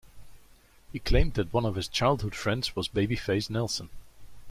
He claimed that one of his childhood friends was Baby Face Nelson.